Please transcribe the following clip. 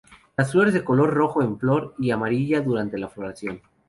Las flores de color rojo en flor, y amarilla durante la floración.